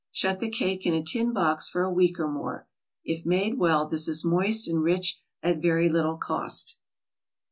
Shut the cake in a tin box for a week or more. If made well this is moist and rich at very little cost.